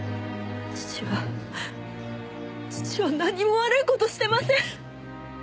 父は父は何も悪い事してません！